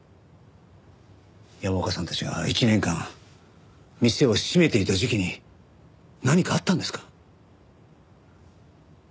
山岡さんたちが１年間店を閉めていた時期に何かあったんですか？